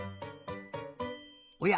おや？